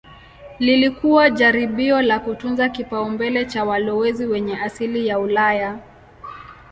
Lilikuwa jaribio la kutunza kipaumbele cha walowezi wenye asili ya Ulaya.